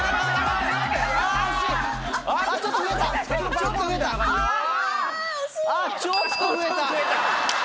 ちょっと増えた。